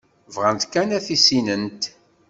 Bɣant kan ad t-issinent.